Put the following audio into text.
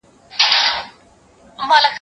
سرلوړى مي دئ د قام او د زامنو